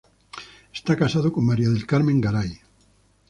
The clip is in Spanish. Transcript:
Está casado con María del Carmen Garay.